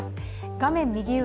画面右上